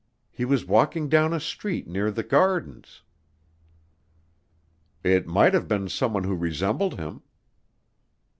He was walking down a street near the Gardens." "It might have been someone who resembled him."